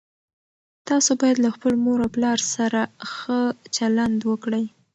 تاسو باید له خپلو مور او پلار سره ښه چلند وکړئ.